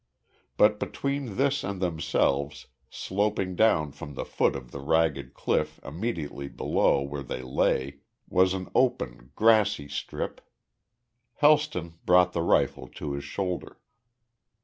But between this and themselves, sloping down from the foot of the ragged cliff immediately below where they lay, was an open, grassy strip. Helston brought the rifle to his shoulder.